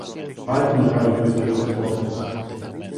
Πάει το μεγάλο κρύσταλλο της πόρτας